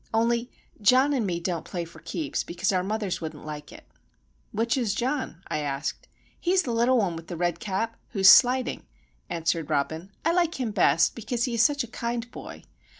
Only, John an' me don't play for keeps, because our mothers wouldn't like it." "Which is John?" I asked. "He's the little one with the red cap, who's sliding," answered Robin. "I like him best, because he is such a kind boy.